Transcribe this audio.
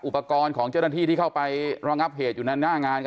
อุปกรณ์ของเจ้าหน้าที่ที่เข้าไปรองับเหตุอยู่ในหน้างาน